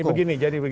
jadi begini begini